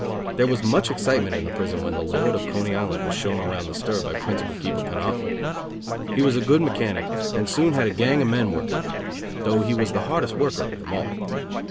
There was much excitement in the prison when the Lord of Coney Island was shown around the stir by Principal Keeper Connoughton. He was a good mechanic, and soon had a gang of men working under him; though he was the hardest worker of them all.